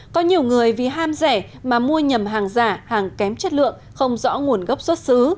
có nhiều người vì ham rẻ mà mua nhầm hàng giả hàng kém chất lượng không rõ nguồn gốc xuất xứ